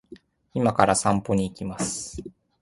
今から散歩に行きます